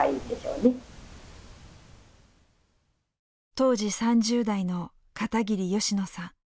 当時３０代の片桐ヨシノさん。